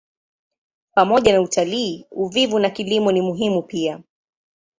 Pamoja na utalii, uvuvi na kilimo ni muhimu pia.